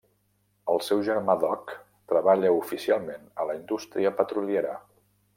El seu germà Doc treballa oficialment a la indústria petroliera.